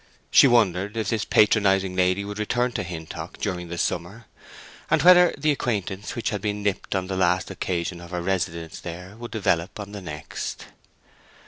She wondered if this patronizing lady would return to Hintock during the summer, and whether the acquaintance which had been nipped on the last occasion of her residence there would develop on the next.